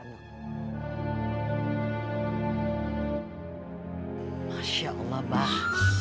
masya allah bah